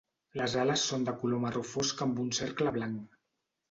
Les ales són de color marró fosc amb un cercle blanc.